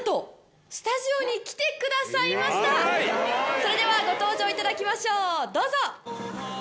それではご登場いただきましょうどうぞ！